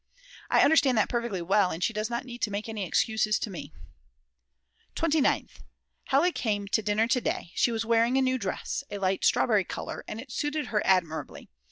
I understand that perfectly well, and she does not need to make any excuses to me. 29th. Hella came to dinner to day, she was wearing a new dress, a light strawberry colour, and it suited her admirably.